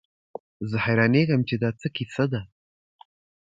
زه حيرانېږم چې دا څه کيسه ده.